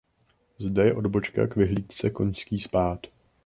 Zde je odbočka k vyhlídce Koňský spád.